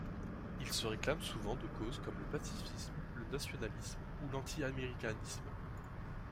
Il se réclame souvent de causes comme le pacifisme, le nationalisme ou l'antiaméricanisme.